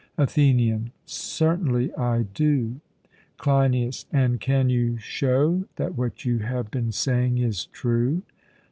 ATHENIAN: Certainly I do. CLEINIAS: And can you show that what you have been saying is true?